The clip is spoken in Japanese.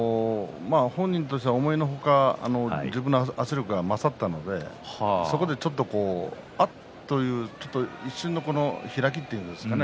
本人としては思いのほか圧力が勝ったのでそこでちょっと一瞬の開きというんでしょうか